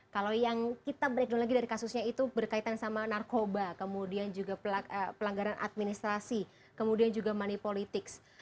kalau yang kita breakdown lagi dari kasusnya itu berkaitan sama narkoba kemudian juga pelanggaran administrasi kemudian juga money politics